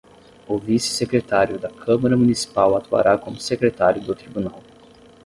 O vice-secretário da Câmara Municipal atuará como secretário do Tribunal.